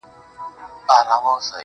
• کلونه پس چي درته راغلمه، ته هغه وې خو؛.